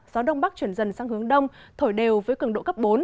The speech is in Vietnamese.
gió đông bắc chuyển dần sang hướng đông thổi đều với cường độ cấp bốn